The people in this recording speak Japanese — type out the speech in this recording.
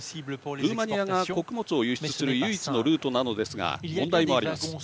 ルーマニアが穀物を輸出する唯一のルートなのですが問題もあります。